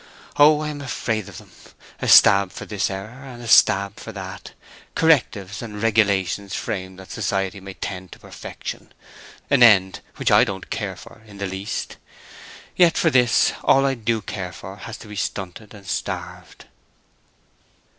Oh, I am afraid of them; a stab for this error, and a stab for that—correctives and regulations framed that society may tend to perfection—an end which I don't care for in the least. Yet for this, all I do care for has to be stunted and starved."